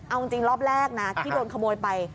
เอาจริงรอบแรกนะที่โดนขโมยไป